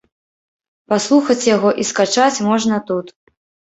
Паслухаць яго і скачаць можна тут.